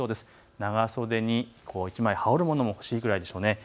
長袖にに１枚、羽織るものも欲しいくらいでしょうね。